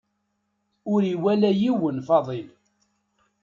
Ur iwala yiwen Faḍil.